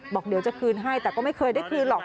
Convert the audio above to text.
บอกเดี๋ยวจะคืนให้แต่ก็ไม่เคยได้คืนหรอก